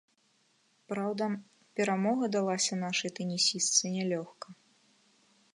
Праўда, перамога далася нашай тэнісістцы нялёгка.